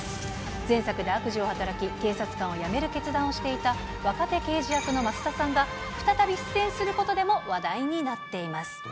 前作で悪事を働き、警察官を辞める決断をしていた若手刑事役の増田さんが、再び出演することでも話題になっています。